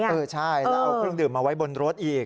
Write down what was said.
เออใช่แล้วเอาเครื่องดื่มมาไว้บนรถอีก